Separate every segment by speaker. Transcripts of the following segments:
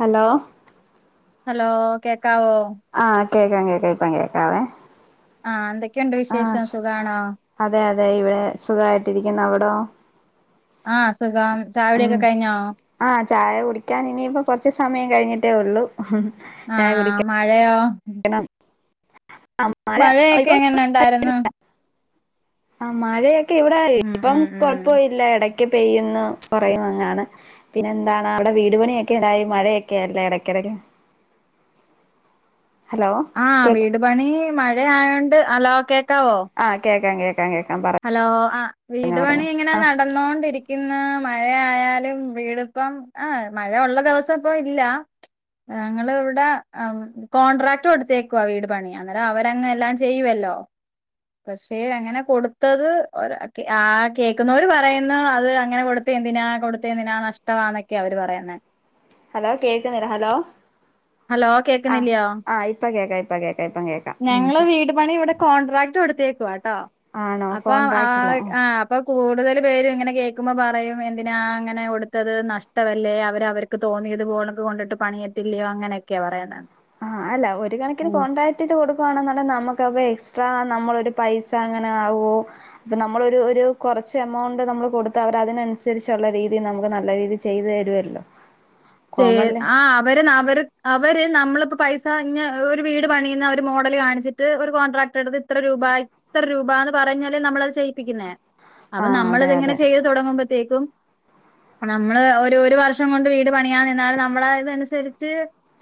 Speaker 1: Hello
Speaker 2: hello കേക്കാവോ
Speaker 1: ആഹ് കേൾക്കാം കേക്ക ഇപ്പാ കേൾക്കാവേ
Speaker 2: ആഹ് എന്തൊക്കെയുണ്ട് വിശേഷം സുഖാണോ
Speaker 1: അതെ അതെ ഇവിടെ സുഖായിട്ടിരിക്കുന്നു അവിടോ
Speaker 2: ആഹ് സുഖം ചായകുടിയൊക്കെ
Speaker 1: ഉം
Speaker 2: കഴിഞ്ഞോ
Speaker 1: ആഹ് ചായ കുടിക്കാൻ ഇനിയിപ്പ കുറച്ച് സമയം കഴിഞ്ഞിട്ടേ ഉള്ളൂ ചായ
Speaker 2: ആഹ് ആഹ്
Speaker 1: കുടിക്കൻ
Speaker 2: മഴയോ
Speaker 1: [inaudible]
Speaker 2: മഴയൊക്കെ എങ്ങനെ ഉണ്ടായിരുന്നു
Speaker 1: ആ മഴയൊക്കെ ഇവിടെ
Speaker 2: ഉം
Speaker 1: ഇപ്പം
Speaker 2: ഉം ഉം
Speaker 1: പോയില്ല ഇടക്ക് പെയ്യുന്ന് കുറയും അങ്ങനെ പിന്നെ എന്താണ് അവിടെ വീട് പണിയൊക്കെ ഉണ്ടായി മഴയൊക്കെ അല്ലേ ഇടക്കിടക്ക് ഹലോ
Speaker 2: ആഹ്‌
Speaker 1: കേക്ക്
Speaker 2: വീട് പണി മഴ ആയോണ്ട് ഹലോ കേക്കാവോ
Speaker 1: ആ കേൾക്കാം കേക്കാം കേൾക്കാം പറയാം
Speaker 2: ഹലോ ആ വീട് പണി എങ്ങനെ നടന്നോണ്ടിരിക്കുന്നു മഴയാലും വീടിപ്പം ആഹ് മഴ ഉള്ള ദിവസം ഇപ്പൊ ഇല്ല ഞങ്ങൾ ഇവിടെ കോൺട്രാക്ട് കൊടുത്തേക്കുവാ വീട് പണിയാൻ അവരല്ലാം അങ്ങ് ചെയ്യുവല്ലോ പക്ഷേ അങ്ങനെ കൊടുത്തത് ആ കേൾക്കുന്നവര് പറയുന്നു അത് അങ്ങനെ കൊടുത്ത് എന്തിനാ കൊടുത്തെ എന്തിനാ നഷ്ടമാന്നൊക്കെ അവര് പറയുന്നെ
Speaker 1: ഹലോ കേൾക്കുന്നില്ല ഹലോ
Speaker 2: ഹലോ
Speaker 1: ആഹ
Speaker 2: കേക്കുന്നില്ലയോ
Speaker 1: ആഹ് ഇപ്പ കേക്കാ ഇപ്പ കേക്ക ഇപ്പ കേക്കാം ഉം
Speaker 2: ഞങ്ങള് വീട് പണി ഇവിടെ കോൺട്രാക്ട് കൊടുത്തേക്കുവാ കേട്ടോ
Speaker 1: ആണോ
Speaker 2: അപ്പ
Speaker 1: കോൺട്രാക്റ്റില്ല ആഹ്
Speaker 2: ഇപ്പൊ കൂടുതൽ പേര് ഇങ്ങനെ കേൾക്കുമ്പോ പറയും എന്തിനാ അങ്ങനെ കൊടുത്തത് നഷ്ടമല്ലേ അവരവർ- തോന്നിയത് പോലൊ കൊണ്ടിട്ട് പണിയെത്തില്ലയോ അങ്ങനെയൊക്കെ പറയുന്നെ
Speaker 1: ആഹ്‌ അല്ല ഒരു കണക്കിന് കോണ്ടടാ- റ്റട്ട് കൊടുക്കുവാണെന്ന നമുക്കപ്പോ എക്സ്ട്രാ നമ്മള് ഒരു പൈസ അങ്ങനെ ആകോ അപ്പൊ നമ്മൾ ഒരു ഒരു കുറച്ച് എമൗണ്ട് നമ്മള് കൊടുത്ത അവർ അതിനനുസരിച്ചുള്ള രീതിൽ നമുക്ക് നല്ല രീതി- ചെയ്തു തരുമല്ലോ
Speaker 2: ച്ചേ ആ അവര് അവര് അവര് നമ്മളിപ്പോ പൈസഞ്ഞ ഒരു വീട് പണിയുന്ന ഒരു മോഡല് കാണിച്ചിട്ട് ഒരു കോൺട്രാറ്റ് എടുത്ത് ഇത്ര രൂപായി എത്ര രൂപാന്ന് പറഞ്ഞല്ലേ നമ്മളത് ചെയ്യിപ്പിക്കുന്നേ അപ്പൊ
Speaker 1: ആഹ് അതെ
Speaker 2: നമ്മളിത് ഇങ്ങനെ
Speaker 1: അതെ
Speaker 2: ചെയ്ത് തുടങ്ങുമ്പത്തേക്കും നമ്മള് ഒരു ഒരു വർഷം കൊണ്ട് വീട് പണിയാ നിന്നാലും നമ്മള് ഇതനുസരിച്ച്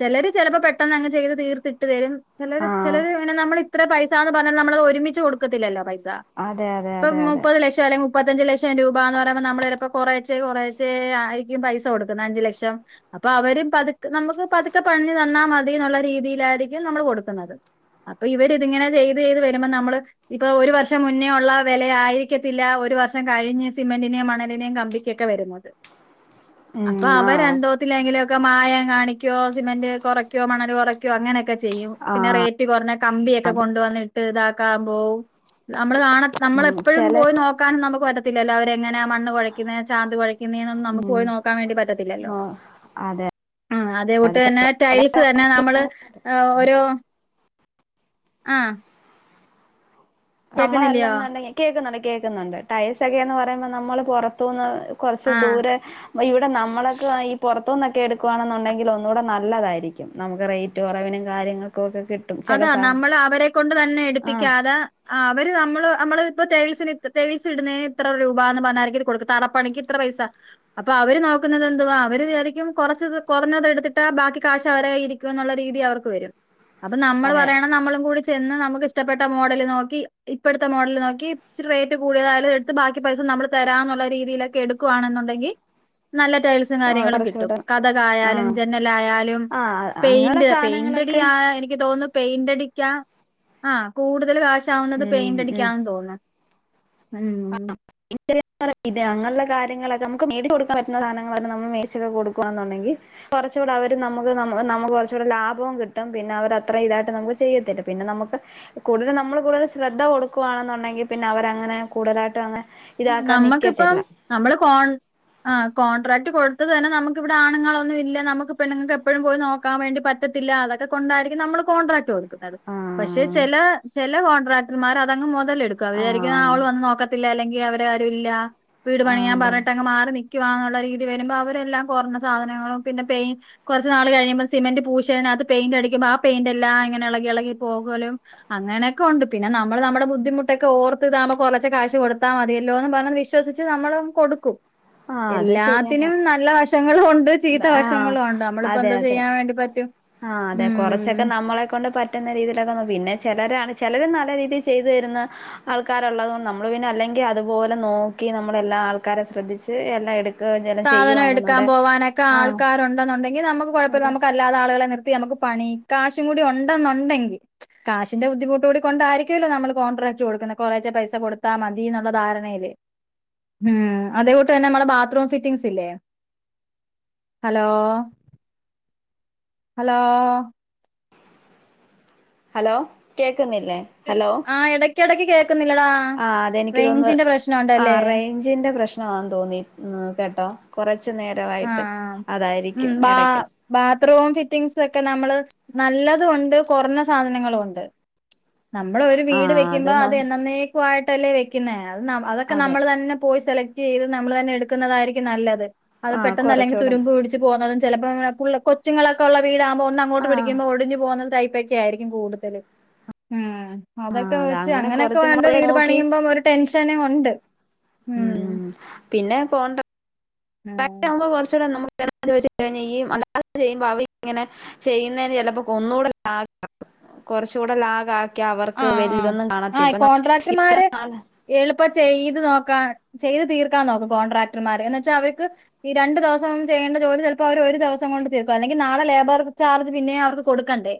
Speaker 2: ചെലര് ചിലപ്പോ പെട്ടെന്ന് അങ്ങ് ചെയ്ത് തീർത്തിട്ട് തരും ചെലര്
Speaker 1: ആഹ്
Speaker 2: ചെലര് ഇങ്ങന നമ്മള് ഇത്ര പൈസാന്ന് പറഞ്ഞാ നമ്മളത് ഒരുമിച്ച് കൊടുക്കത്തില്ലല്ലോ പൈസ
Speaker 1: അതെ അതെ
Speaker 2: ഇപ്പം
Speaker 1: അതെ അതെ
Speaker 2: മുപ്പത് ലക്ഷം അല്ലെം മുപ്പത്തഞ്ച് ലക്ഷം രൂപാന്ന് പറയുമ്പോൾ നമ്മള് ചിലപ്പോൾ കൊറേച്ചെ കൊറേച്ചെ ആയിരിക്കും പൈസ കൊടുക്കുന്നേ അഞ്ച് ലക്ഷം റ്റം അപ്പൊ അവര് പതുക്ക് നമുക്ക് പതുക്ക പണിഞ്ഞു തന്നാൽ മതിന്നുള്ള രീതിയിലായിരിക്കും നമ്മള് കൊടുക്കുന്നത് അപ്പൊ ഇവര് ഇതിങ്ങനെ ചെയ്ത് ചെയ്ത് വരുമ്പോ നമ്മള് ഇപ്പൊ ഒരു വർഷം മുന്നേ ഒള്ള വെല ആയിരിക്കത്തില്ല ഒരു വർഷം കഴിഞ്ഞ് സിമെന്റിനേം മണലിനെം കമ്പി കെക്കവരുമോത് അപ്പ
Speaker 1: ഉം
Speaker 2: അം
Speaker 1: ആഹ്
Speaker 2: ബോത്തിലേങ്കില് ഒക്ക മായം കാണിക്കോ സിമന്റ് കൊറക്കോ മണല് കൊറയ്ക്കോ അങ്ങനെയൊക്കെ ചെയ്യും
Speaker 1: ആഹ്
Speaker 2: പിന്നെ റേ കട്ടി കൊറഞ്ഞ കമ്പിയൊക്കെ കൊണ്ടുവന്നിട്ട് ഇതാക്കാൻ പോവും നമ്മള് കാണ നമ്മള്
Speaker 1: ഉം
Speaker 2: എപ്പോഴും പോയി
Speaker 1: ചെലര്
Speaker 2: നോ ക്കാനും നമുക്ക് പറ്റത്തില്ലല്ലാ അവര് എങ്ങനാ മണ്ണ് കൊഴക്കുന്നേ ചാന്ത് കൊഴക്കുന്നേന്നും നമുക്ക്
Speaker 1: ഉം
Speaker 2: പോയി നോക്കാൻ വേണ്ടി പറ്റത് ഇല്ലോ
Speaker 1: അതെ
Speaker 2: ആഹ് അതേ
Speaker 1: അതെ
Speaker 2: കുട്ട്തന്നെ ടൈസ് തന്നെ നമ്മള് ഓരോ ആഹ്
Speaker 1: നമ്മളല്ല എന്നുണ്ടെങ്കി കേൾക്കുന്നുണ്ട് കേൾക്കുന്നുണ്ട് ടൈസ് ഒക്കെന്ന് പറയുമ്പോ നമ്മള് പൊറത്തുന്ന് കൊറച്ച്
Speaker 2: ആ
Speaker 1: ദൂരെ അപ്പ ഇവിടെ നമ്മളൊക്ക ഈ പുറത്തുനിന്നക്കെ എടുക്കുവാണ് എന്നുണ്ടെങ്കില് ഒന്നുകൂടെ നല്ലതായിരിക്കും നമുക്ക് റേ റ്റു കുറവിന് കാര്യങ്ങൾക്കും ഒക്കെ കി
Speaker 2: അതാ നമ്മള് അവരെ കൊണ്ട് തന്നെ
Speaker 1: ആഹ്
Speaker 2: എടുപ്പിക്കാത ആഹ് അവര് നമ്മള് നമ്മള് ഇപ്പ തേൾസിന് ഇത്ത തേൾസ് ഇടുന്നേന് ഇത്ര രൂപന്ന് പറഞ്ഞാരങ്കിലും ഇത് കൊടുക്കും തടപ്പണിക്ക് ഇത്ര പൈസ അപ്പൊ അവര് നോക്കുന്നത് എന്തുവാ അവര് വിചാരിക്കും കൊറച്ചത് കൊറഞ്ഞത് എടുത്തിട്ടാ ബാക്കി കാശ് അവരെകയ്യിലിരി ക്കുന്നൊള്ള രീതി അവർക്ക് വരും അപ്പൊ നമ്മള്
Speaker 1: അതെ
Speaker 2: പറയണം നമ്മളും കൂടി ചെന്ന് നമുക്ക് ഇഷ്ടപ്പെട്ട മോഡല് നോക്കി ഇപ്പെടുത്തെ മോഡല് നോക്കി ഇച്ചിറ് റേറ്റ് കൂടിയതായാലും ത്ത് ബാക്കി പൈസ നമ്മള് തരാനുള്ള രീതിയിലൊക്കെ എടുക്കുവാണെന്നുണ്ടെങ്കി നല്ല ടൈൽസ് സും
Speaker 1: ആഹ്
Speaker 2: കാര്യങ്ങളും കിട്ടും
Speaker 1: കുറച്ചൂടെ
Speaker 2: കതക് ആയാലും
Speaker 1: ആഹ്
Speaker 2: ജന്നൽ ആയാലും
Speaker 1: ആഹ് അങ്ങനെയുള്ള
Speaker 2: പെയിന്റർ
Speaker 1: സാധനങ്ങളൊക്കെ
Speaker 2: പെയിന്റടിയാ എനി ക്ക് തോന്നുന്നു പെയിന്റടിക്കാ ആഹ് കൂടുതൽ കാശാവുന്നത്
Speaker 1: ഉം
Speaker 2: പെയിന്റ്
Speaker 1: ഉം
Speaker 2: അടിക്കാൻ തോൻണ് ഉം
Speaker 1: ഇത്രേം [unintelligible] ഇദേ അങ്ങള്ള കാര്യങ്ങളൊക്കെ നമുക്ക് മടിച്ച് കൊടുക്കൻ പറ്റുന്ന സാധനങ്ങള് നമ്മൾ മേശൊക്കെ കൊടുക്കുവാന്നുണ്ടെങ്കിൽ കൊറച്ചൂടെ അവര് നമുക്ക് നമു നമുക്ക് കൊറച്ചൂട ലാഭവും കിട്ടും പിന്നെ അവർ അത്രയും ഇതായിട്ട് നമുക്ക് ചെയ്യത്തില്ല പിന്നെ നമുക്ക് കൂടുതൽ നമ്മള് കൂടുതല് ശ്രദ്ധ കൊടുക്കുവാണെന്നുണ്ടെങ്കിൽ പിന്നെ അവര് അങ്ങനെ കൂടോലാട്ട് അങ്ങേ
Speaker 2: നമ്മക്കിപ്പം നമ്മള് കോൺ ആഹ് കോൺട്രാക്ട് കൊടുത്തതുതന്നെ നമുക്ക് ഇവിടെ ആണുങ്ങളൊന്നും ഇല്ല നമുക്ക് പെണ്ണുങ്ങക്ക് എപ്പഴും പോയി നോ ക്കാൻ വേണ്ടി പറ്റത്തില്ല അതക്ക കൊണ്ടായിരിക്കും നമ്മള് കോൺട്രാക്റ്റ് കൊട് ക്കുന്നത് പക്ഷെ
Speaker 1: ആഹ്
Speaker 2: ചെല ചെല കോൺട്രാക്ടർമാർ അതങ്ങ് മൊതലെടുക്കും അവര് വിചാരിക്കും
Speaker 1: ആഹ്
Speaker 2: അവള് വന്ന് നോക്ക ത്തില അല്ലെങ്കിൽ അവര ആരും ഇല്ല വീട്
Speaker 1: ആഹ്
Speaker 2: പണിയാൻ
Speaker 1: അതെ
Speaker 2: പറഞ്ഞിട്ടങ്ങ് മാറി നി ക്കുവാന്നുള്ള രീതി വരുമ്പോ അവര് എല്ലാം കൊറഞ്ഞ സാധനങ്ങളും പിന്നെ പെയി കുറച്ച് നാൾ കഴിയമ്പം സിമന്റ് പൂശേനാത്ത് പെയിന്റ്ടിക്കമ്പം ആ പെയിന്റ്ല്ലാം ഇങ്ങന എളകി എളകി പോകലും അങ്ങനെക്കെ ഒണ്ട് പിന്നെ നമ്മള് നമ്മടെ ബുദ്ധിമുട്ടൊക്കെ ഓർത്ത് ഇതകുമ്പം കൊറച്ച് കാശ് കൊടു ത്താ മതിയല്ലോന്ന് പറഞ്ഞ് വിശ്വസിച്ച് നമ്മള് കൊടുക്കും
Speaker 1: ആഹ് അത്
Speaker 2: എല്ലാത്തിനും
Speaker 1: ശരിയാണ്
Speaker 2: നല്ല വശ് റ്റങ്ങളും ഒണ്ട് ചീത്ത
Speaker 1: ആഹ്
Speaker 2: വശങ്ങളും ഉണ്ട് നമ്മളിപ്പോ
Speaker 1: അതെ
Speaker 2: എന്തോ
Speaker 1: അതെ
Speaker 2: ചെയ്യാൻ വേണ്ടി പറ്റും
Speaker 1: ആഹ് അതെ
Speaker 2: ഉം
Speaker 1: കുറച്ചൊക്കെ നമ്മളെ കൊണ്ട് പ റ്റുന്ന രീതിയിലൊക്കെ വന്ന് പിന്നെ ചെലരാണ് ചെലരും നല്ല രീതിൽ ചെയ്തു തരുന്ന ആൾക്കാരൊള്ളത് കൊണ്ട് നമ്മള് പിന്നെ അല്ലെങ്കിൽ അതുപോലെ നോക്കി നമ്മളെല്ലാ ആൾക്കാരെ ശ്രദ്ധിച്ച് എല്ലാം എട്
Speaker 2: സാധനം എടുക്കാൻ പോവാനൊക്ക
Speaker 1: ആഹ്
Speaker 2: ആൾക്കാര് ഒണ്ടെന്നുണ്ടെങ്കിൽ നമുക്ക് കൊഴപ്പില്ല
Speaker 1: അതെ
Speaker 2: നമുക്കാ അല്ലാതെ ആളുകളെ നിർത്തി നമുക്ക് പണി കാശും കൂടി ഒണ്ടെന്നുണ്ടെങ്കിൽ കാശിന്റെ ബുദ്ധിമുട്ട് കൂടി കൊണ്ടായിരിക്കുമല്ലോ നമ്മള് കോൺട്രാക്ട് കൊടുക്കുന്നേ കൊറേച്ചെ പൈസ കൊടുത്താ മതിന്നുള്ള ധാരണല് ഏഹ അതോട്ട് തന്ന നമ്മള ബാത്റൂം ല്ല ഹലോ ഹലോ
Speaker 1: ഹലോ കേക്കുന്നില്ലേ ഹലോ
Speaker 2: ആഹ ഇടക്കിടക്ക് കേൾക്കുന്നില്ലടാ
Speaker 1: ആഹ്
Speaker 2: റേഞ്ചിന്റെ പ്രശ്നണ്ടല്ലേ?
Speaker 1: ഞ്ച്ന്റെ പ്രശ്നമാെന്ന് തോന്നി കേട്ടോ കുറച്ച നേരം യിട്ട്
Speaker 2: ആഹ് ഉം
Speaker 1: അതായിരിക്കും
Speaker 2: ബാ
Speaker 1: ഇടയ്ക്ക്
Speaker 2: ബാത്റൂം ഫിറ്റിംഗസ് ഒക്കെ നമ്മള് നല്ലതും ഉണ്ട് കുറഞ്ഞ സാധനങ്ങളും ഉണ്ട് നമ്മള ഒരു വീട്
Speaker 1: ആഹ്
Speaker 2: വെക്കുമ്പോ
Speaker 1: ന
Speaker 2: അത് എന്നെന്ന്ക്കുയിട്ടല്ലേ വെക്കുന്നേ അത് അതൊക്കെ
Speaker 1: അതെ
Speaker 2: നമ്മൾ തന്നെ പോയി സെലക്ട് ചെയ്ത് നമ്മൾ തന്നെ എടുക്കുന്നതായിരിക്കും നല്ലത് അത്
Speaker 1: ആഹ്
Speaker 2: പെട്ടെന്ന് അല്ലങ്കിൽ
Speaker 1: കുറച്ചൂടെ
Speaker 2: തുരുമ്പ്ടി പോകത ചിലപ്പോ കൊച്ചങ്ങളൊക്കെള്ളീടകുമ്പോ ഒന്ന് അങ്ങോട്ട്
Speaker 1: ആഹ്
Speaker 2: പിടിക്കുമോ ഒഞ്ഞു പോകുന്നത് തൈ ക്ക ആയിരിക്കും കൂടുതൽ ഉം അതൊക്കെ
Speaker 1: ആഹ് അത്
Speaker 2: വെച്ച്
Speaker 1: അങ്ങനെ
Speaker 2: അങ്ങനെയൊക്കെ
Speaker 1: കൊറച്ച്
Speaker 2: വേണ്ട
Speaker 1: നമ്മള്
Speaker 2: വീട്
Speaker 1: നോക്കി
Speaker 2: പണിയുമ്പം ഒരു ടെൻഷന ഉണ്ട്
Speaker 1: ഉം പിന്നെ കോണ്ട
Speaker 2: ഉം
Speaker 1: ക് ആവുമ്പോ കുറച്ചൂടെ നമുക്ക് ഇങ്ങനെ നു അല്ലാെ ചെയ്യുമ്പോ അവ ഇങ്ങനെ ചെയ്യുന്നതിന് ചിലപ്പോ കൊന്നുകൂടെ ലാ കുറച്ച കൂടെ ലാഗ ആഹ അവർക്ക്
Speaker 2: ആഹ് ആഹ്
Speaker 1: വലിയതൊന്നും കാണാത്തില്ല ഇപ്പ ഇത്ര നാള്
Speaker 2: എളുപ്പ ചെയ്ത് നോക്കാ ചെയ്ത് തീർക്കാൻ നോക്കും കോൺട്രാക്ടർമാര് എന്നവെച്ച അവർക്ക് ഈ രണ്ട ദിവസണ്ട ജോലി ചിലപ്പോ അവര് ഒരു ദിവസം കൊണ്ട് തീർക്കും അല്ലെങ്കിൽ നാളെ ലേബർ ചാർജ് പിന്നെ അവർക്ക് കൊടുക്കു കണ്ട്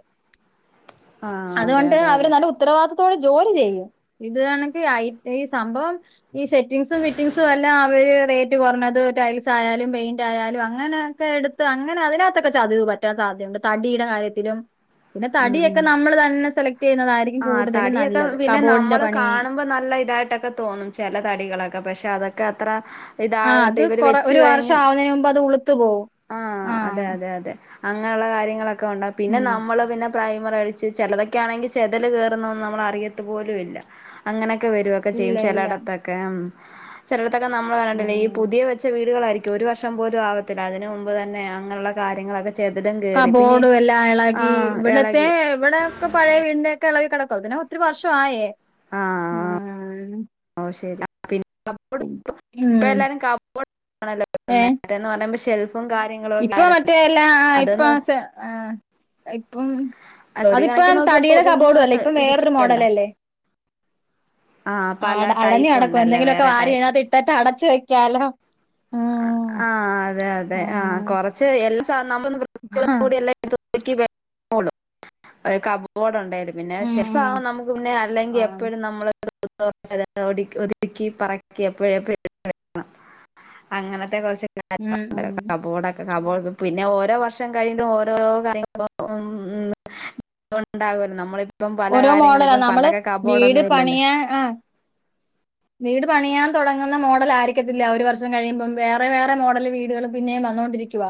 Speaker 1: ആഹ് അതെ
Speaker 2: അതുകണ്ട്
Speaker 1: അതെ
Speaker 2: അവര്
Speaker 1: അതെ
Speaker 2: നല്ല ഉത്തരവാദിത്തോടെ ജോലി ചെയ്യും ഇത് കണക്ക് ഈ സംഭവം ഈ സെറ്റിംഗസും ഫിറ്റിംഗസും എല്ലാം അവര് റേറ്റ് കുറഞ്ഞത് ടൈൽസ് ആയാലും പെയിന്റ് ആയാലും അങ്ങനെയൊക്കെ എടുത്ത് ത് അങ്ങനെ അതിനകത്തൊക്കെ ചതിവ് പറ്റാൻ സാധ്യതുണ്ട് തടിയുടെ കാര്യത്തിലും പിന്നെ
Speaker 1: ഉം
Speaker 2: തടിയൊക്കെ
Speaker 1: ഉം
Speaker 2: നമ്മൾ തന്നെ സെലക്
Speaker 1: ആഹ് തടി യൊക്കെ പിന്നെ നമ്മള്
Speaker 2: പണി
Speaker 1: കാണുമ്പോ നല്ല ഇതായിട്ടൊക്കെ തോന്നും ചില തടികളൊക്കെ പക്ഷെ അതൊക്കെ അത്ര
Speaker 2: ആഹ്
Speaker 1: ഇതായിട്ട്
Speaker 2: അത്
Speaker 1: ഇവര്
Speaker 2: കൊറെ
Speaker 1: വെച്ച്
Speaker 2: ഒരു വർഷം
Speaker 1: കഴിഞ്ഞ്
Speaker 2: ആവുന്നതിന് മുമ്പ് അത് ഉളുത്തു പോകും
Speaker 1: ആഹ് അതെ അതെ അതെ അങ്ങനെയുള്ള കാര്യങ്ങളൊക്കെ ഉണ്ടാവും പിന്നെ
Speaker 2: ഉം
Speaker 1: നമ്മള് പിന്നെ പ്രൈമർ അടിച്ച് ചിലതൊക്കെ ആണെങ്കിൽ ചെതൽ കയറുന്നന്നും നമ്മൾ അറിയത്തത് പോലും ഇല്ല അങ്ങനെയൊക്കെ വരും ഒക്കെ
Speaker 2: ഇല്ല
Speaker 1: ചെയ്യും
Speaker 2: ഇല്ല
Speaker 1: ചിലയിടത്തൊക്കെ ഉം ചിലയിടത്തൊക്കെ നമ്മള് പറ
Speaker 2: ഉം
Speaker 1: ഈ പുതിയ വെച്ച വീടുകളായിരിക്കും ഒരു വർഷം പോലും ആവത്തില്ല അതിന് മുമ്പ് തന്നെ അങ്ങനെയുള്ള കാര്യങ്ങളൊക്കെ ചേതലങ്കി
Speaker 2: കബോർഡും എല്ലാം ഇളകി ഇവിടത്തെ
Speaker 1: എളകി
Speaker 2: ഇവിടെക്കെ പഴയ വീടിന്റെ ഒക്കെ ഇളക്കി കിടക്ക അത് പിന്നെ ഒത്തിരി വർഷ ആയേ
Speaker 1: ആഹ്
Speaker 2: ഉം
Speaker 1: ഓ ശരി പിന്നെബോഡ് ഇപ്പ
Speaker 2: ഉം
Speaker 1: എല്ലരും കബബോർഡ്ണല്ല വേക്കുന്നേ
Speaker 2: ഏഹ്
Speaker 1: ന്ന് പറയുമ്പോ ഷെൽഫും കാര്യങ്ങളും ഒക്കെ ആഹ്
Speaker 2: അല്ല ആഹ് ഇപ്പ ആഹ് ഇപ്പം
Speaker 1: ഒരു കണക്കിന്
Speaker 2: അതിപ്പം
Speaker 1: നോക്കിയാ
Speaker 2: തടിയുടെ
Speaker 1: ഒതുങ്ങി
Speaker 2: കബോർഡും അല്ലേ ഇപ്പം വേറൊരു
Speaker 1: ഇരിക്കുകയല്ലോ
Speaker 2: മോഡല് അല്ലേ
Speaker 1: പല
Speaker 2: ആഹ് അടഞ്ഞ്
Speaker 1: ടൈപ്പ്
Speaker 2: കേടക്കുവ
Speaker 1: ഉണ്ടല്ലേ
Speaker 2: എന്തെങ്കിലുമൊക്കെ
Speaker 1: വേറെ
Speaker 2: വാരി
Speaker 1: ടൈപ്പ്
Speaker 2: അതിനകത്ത് ഇട്ടട്ട് അടച്ചു വെക്കാലോ
Speaker 1: ആഹ് അതെ അതെ ആഹ് കൊറച്ച് എല്ലാം സാധന
Speaker 2: ആഹ്
Speaker 1: [unintelligible] കബോർഡ ഉണ്ടായും പിന്നെ
Speaker 2: ഉം
Speaker 1: ശെപ്പ
Speaker 2: ഉം
Speaker 1: ആഹ് നമുക്ക് പിന്നെ അല്ലെങ്കിൽ
Speaker 2: ആഹ്
Speaker 1: എപ്പോഴും നമ്മള് [unintelligible] ഒതുക്കി പറക്കി അ എപ്പോഴും എപ്പഴും അങ്ങനത്തെ കുറച്ച്
Speaker 2: ഉം
Speaker 1: കാര്യല്ലോ
Speaker 2: ഉം
Speaker 1: കബോഡൊക്കെ പിന്നെ ഓരോ വർഷം കഴിയുന്നതും ഓരോ ഒരോ കാര്യങ്ങളും ന്ന്അണ്ടാകല്ലോ നമ്മളിപ്പം പല
Speaker 2: ഓരോ
Speaker 1: കാര്യങ്ങള
Speaker 2: മോഡലാ
Speaker 1: ഇപ്പ
Speaker 2: നമ്മള്
Speaker 1: പണ്ടൊക്കെ
Speaker 2: വീട്
Speaker 1: കബോർഡൊന്നും ഇല്ലല്ലോ
Speaker 2: പണിയാൻ ആ വീട് പണിയാൻ തു്ടങ്ങുന്ന മോഡൽ ആയിരിക്കത്തില്ല ഒരു വർഷം കഴിയുമ്പം വേറെ വേറെ മോഡല് വീടുകൾ പിന്നെയും വന്നോൊണ്ടിരിക്കവാ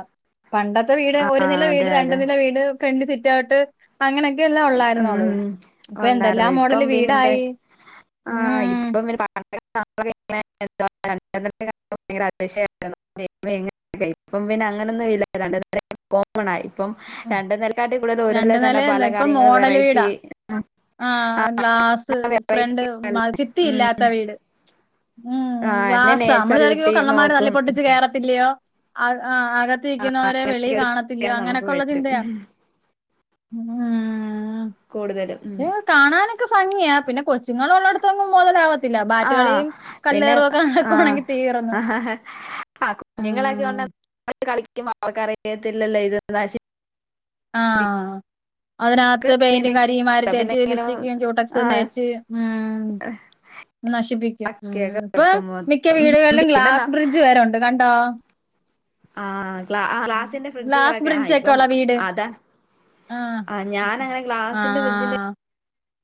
Speaker 2: പണ്ടത്തെ വീട് ഒരു
Speaker 1: ആഹ്
Speaker 2: നില വീട്
Speaker 1: അതെ
Speaker 2: രണ്ട
Speaker 1: അതെ
Speaker 2: നില വീട് ഫ്രണ്ട്ി സിറ്റ് ആാവട്ട് അങ്ങനെയൊക്കെ എല്ലാം ഉള്ളായിരുന്നോളു
Speaker 1: ഉം
Speaker 2: ഇപ്പൊ എന്തെല്ലാ മോഡല് വീടായി
Speaker 1: ആ
Speaker 2: ഉം
Speaker 1: ഇപ്പൊ പ ര [unintelligible] [unintelligible] ഇപ്പ പിന്നെ അങ്ങനൊന്നും ഇല്ല കോമൺ ആയി ഇപ്പം രണ്ട് നേരെക്കാട്ടി കൂടുതൽ ഒരു
Speaker 2: രണ്ട്
Speaker 1: നിലയിൽ തന്നെ പല
Speaker 2: നിലയല്ല
Speaker 1: കാര്യങ്ങള വെറൈറ്റി
Speaker 2: ആഹ് ഗ്ലാസ് ഫ്രണ്ട്
Speaker 1: വെറൈറ്റി
Speaker 2: ഭിത്തിയില്ലാത്ത വീട് ഉം
Speaker 1: ആ പിന്നെ
Speaker 2: ഗ്ലാസ നമ്മള്
Speaker 1: നേച്ചർ ബ്യൂട്ടി
Speaker 2: വിചാരിക്കും കള്ളന്മാര് നല്ല
Speaker 1: നോക്കും
Speaker 2: പൊട്ടിച്ച് കേയറത്തില്ലയോ അകത്തു അകത്തു
Speaker 1: ആ
Speaker 2: നിൽക്കുന്നവരെ
Speaker 1: അങ്ങനെയൊക്കെ
Speaker 2: വെളിയിൽ
Speaker 1: ഒരു
Speaker 2: കാണത്തില്ലയോ
Speaker 1: ചെയ്യാൻ നമുക്ക്
Speaker 2: അങ്ങനെയൊക്കെ ഉള്ള ചിന്തയാ
Speaker 1: പറ്റും
Speaker 2: ഉം ഉം
Speaker 1: കൂടുതലും ഉം.
Speaker 2: ക്ഷേ കാണാനൊക്കെ ഭംഗിയാ പിന്നെ കൊച്ച്ങ്ങള് ഉള്ളടത്തൊന്നും മുതലാവത്തില്ലാ
Speaker 1: ആഹ് പിന്നെ ആഹ്
Speaker 2: നടക്കുവാണെങ്കി തീർന്ന്
Speaker 1: ആഹ് കുഞ്ഞുങ്ങളൊക്കെണ്ട കളിക്കുമ്പ അവർക്ക അറിയത്തില്ലല്ലോ ഇത് നശിപ്പി
Speaker 2: ആഹ്. അതിനകത്ത് പെയിന്റും കരിയും വാരി തേച്ച്
Speaker 1: എന്തെങ്കിലും
Speaker 2: ലിപ്സ്റ്റിക്കും
Speaker 1: ആ
Speaker 2: ക്യൂട്ട്ക്സും തേച്ച് ഉം നശിപ്പിക്കും ആഹ്
Speaker 1: പക്കയൊക്കെ
Speaker 2: ഇപ്പ
Speaker 1: വെക്കും
Speaker 2: മിക്ക വീടുകളിലും
Speaker 1: പിന്നെ
Speaker 2: ഗ്ലാസ് ബ്രിഡ്ജ് വരെ ഉണ്ട് കണ്ടോ
Speaker 1: ആഹ് ഗ്ലാസ്സിന്റെ
Speaker 2: ഗ്ലാസ്
Speaker 1: ഫ്രിഡ്ജുകളൊക്കെ ആഹ്
Speaker 2: ബ്രിഡ്ജ് ഒക്കെ
Speaker 1: ഇപ്പം
Speaker 2: ഉള്ള വീട്
Speaker 1: ആഹ്
Speaker 2: ആഹ്
Speaker 1: ഞാനങ്ങനെ ഗ്ലാസിന്റെ ഫ്രിഡ്ജിന്റെ
Speaker 2: ആഹ്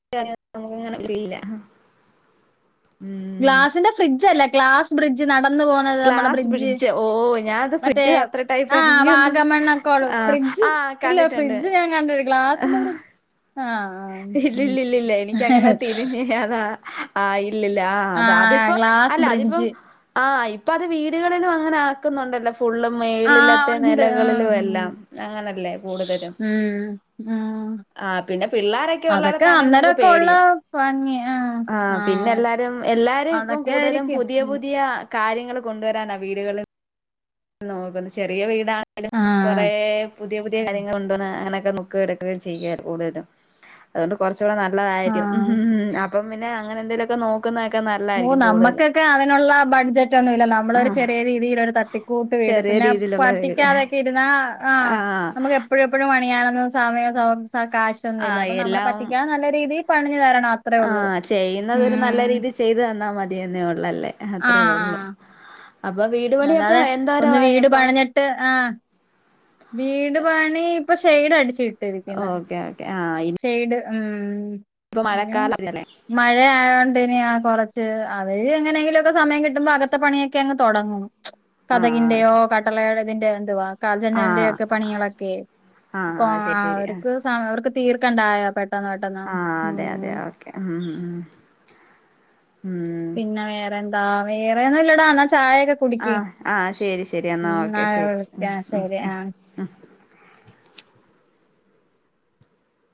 Speaker 1: [unintelligible] ഉം
Speaker 2: ഗ്ലാസിന്റെ ഫ്രിഡ്ജ് അല്ല ഗ്ലാസ് ബ്രിഡ്ജ് നടന്ന് പോക
Speaker 1: ഗ്ലാസ്‌ ബ്രിഡ്ജ് ഓ ഞാൻ അത്
Speaker 2: മറ്റേ
Speaker 1: ഫ്രിഡ്ജ് അത്രേ ടൈപ്പ്
Speaker 2: ആ
Speaker 1: ഇറങ്ങിന്ന്
Speaker 2: വാഗമണ്ണൊക്കെള്ള
Speaker 1: ആഹ്
Speaker 2: ഫ്രിഡ്ജ്
Speaker 1: ആഹ്
Speaker 2: ഇല്ല
Speaker 1: കണ്ടിട്ടുണ്ട്
Speaker 2: ആഹ് ആഹ്.
Speaker 1: ഇല്ലില്ല ഇല്ല ഇല്ല എനിക്ക് അങ്ങനാ തിരിഞ്ഞെ അതാ ആഹ് ഇല്ലില്ല ആഹ്
Speaker 2: ആ
Speaker 1: അതി അതിപ്പോ
Speaker 2: ഗ്ലാസ്
Speaker 1: അല്ല അതിപ്പം
Speaker 2: ബ്രിഡ്ജ്
Speaker 1: ആഹ് ഇപ്പൊ അത് വീടുകളിലും അങ്ങനെ ആക്കുന്നുണ്ടല്ലോ ഫുള്ള്
Speaker 2: ആ
Speaker 1: മേളിലത്തെ
Speaker 2: ഉണ്ട് ആ
Speaker 1: നിലകളിലും
Speaker 2: ഉം
Speaker 1: എല്ലാം അങ്ങനല്ലേ കൂടുതലും
Speaker 2: ഉം
Speaker 1: ആഹ് പിന്നെ പിള്ളോരൊക്കെ
Speaker 2: അതൊക്കെ
Speaker 1: ഉള്ളടത്താണെൽ നമുക്ക്
Speaker 2: അന്നേരൊക്കെ ഉള്ള
Speaker 1: പേടിയ
Speaker 2: ഭംഗി ആ
Speaker 1: ആഹ്
Speaker 2: ആ
Speaker 1: പിന്നെ എല്ലാരും എല്ലാരും ഇപ്പം
Speaker 2: അതൊക്കെ
Speaker 1: കൂടുതലും
Speaker 2: ആയിരിക്കും
Speaker 1: പുതിയ പുതിയ കാര്യങ്ങൾ കൊണ്ടുവരാനാ വീടുകളിൽ നോക്കുന്നു ചെറിയ വീടാണെങ്കിലും
Speaker 2: ആ
Speaker 1: കുറെ പുതിയ പുതിയ കാര്യങ്ങൾ ഉണ്ടോന്ന് അങ്ങനെയൊക്കെ നോക്കുക എടുക്കുക ചെയ്യാ കൂടുതലും അതുകൊണ്ട് കുറച്ചുകൂടെ നല്ലതായിരിക്കും
Speaker 2: ആ
Speaker 1: ഉം അപ്പം പിന്നെ അങ്ങനെ എന്തേലുമൊക്കെ നോക്കുന്നതൊക്കെ നല്ല
Speaker 2: ഓ നമ്മക്കൊക്കെ അതിനുള്ള ബഡ്ജറ്റ് ഒന്നുമില്ല നമ്മളൊരു
Speaker 1: ആഹ്
Speaker 2: ചെറിയ രീതീലൊരു ത തട്ടിക്കൂട്ട് വീട്
Speaker 1: ചെറിയ
Speaker 2: പിന്നെ
Speaker 1: രീതിയിലുള്ള വീട്
Speaker 2: പറ്റിക്കാതൊക്കെ ഇരുന്നാ ആഹ് നമുക്ക് എപ്പോഴും എപ്പോഴും പണിയാനൊന്നും സമയം കാശൊന്നുമില്ല
Speaker 1: ആഹ്
Speaker 2: അപ്പം നമ്മെ
Speaker 1: എല്ലാം
Speaker 2: പറ്റിക്കാൻ നല്ല രീതിയിൽ പണിഞ്ഞു തരണം അത്രേ ഉള്ളൂ
Speaker 1: ആഹ് ചെയ്യുന്നുന്നത് ഒരു നല്ല
Speaker 2: ഉം
Speaker 1: രീതി ചെയ്ത് തന്നാ മതിന്നേ ഉള്ളല്ലേ അത്രയേ
Speaker 2: ആഹ്
Speaker 1: ഉള്ളു
Speaker 2: ആഹ്
Speaker 1: അപ്പൊ വീടുപണി അപ്പ എന്തോര ആയി അപ്പ
Speaker 2: ട്ട് ആഹ് വീട് പണി ഇപ്പൊ ഷെയ്ഡ് അടിച്ചു ഇട്ടിരിക്കുന്ന്
Speaker 1: ഓക്കെ ഓക്കെ ആഹ്
Speaker 2: ഷെയ്ഡ്
Speaker 1: ഇനിയിപ്പ
Speaker 2: ആഹ് [unintelligible]
Speaker 1: മഴക്കാലല്ലേ
Speaker 2: മഴ ആയോണ്ട് ഇനി ആഹ് കുറച്ച് അവര് എങ്ങനെങ്കിലുക്കെ സമയം കിട്ടുമ്പോ അകത്തെ പണിയൊക്കെ അങ്ങ് തുടങ്ങും കതകിന്റെയോ
Speaker 1: ആഹ്
Speaker 2: കട്ടില തീന്റെ എന്തുവാ ജനലിന്റെ
Speaker 1: ആഹ്
Speaker 2: ഒക്കെ പണികളൊക്കെ
Speaker 1: ആഹ് ശരി ശരി ആഹ്
Speaker 2: അവർക്ക് അവർക്ക് തീർക്കണ്ടായോ പെട്ടെന്ന് പെട്ടെന്ന്
Speaker 1: ആഹ് അതെ അതെ
Speaker 2: ഉം
Speaker 1: അതെ ഓക്കെ ഉം ഉം.
Speaker 2: പിന്നെ വേറെന്താ വേറെന്നും ഇല്ലടാ എന്ന ചായൊക്കെ
Speaker 1: ആഹ് ആഹ് ശരി ശരി എന്നാൽ ഓക്കെ
Speaker 2: ആ
Speaker 1: ശരി ഉം
Speaker 2: വിളിക്കാം
Speaker 1: ഉം
Speaker 2: ശരി ആ
Speaker 1: ഉം